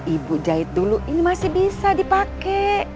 ibu jahit dulu ini masih bisa dipakai